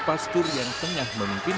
van jogja betul kan